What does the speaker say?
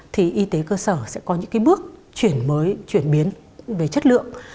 thì y tế cơ sở sẽ có những cái bước chuyển mới chuyển biến về chất lượng